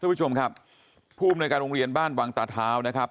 ทุกผู้ชมครับพรุ่งในการโรงเรียนบ้านวังตาเท้านะครับ